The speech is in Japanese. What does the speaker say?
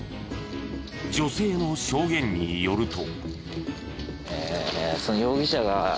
女性の証言によると。